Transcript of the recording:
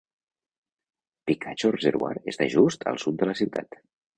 Picacho Reservoir està just al sud de la ciutat.